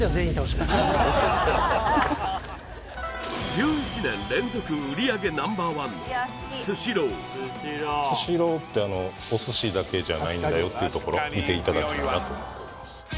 １１年連続売上Ｎｏ．１のスシロースシローってあのお寿司だけじゃないんだよっていうところ見ていただきたいなと思ってます